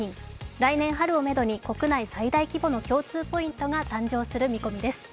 来年春をめどに国内最大の共通ポイントが誕生する見通しです。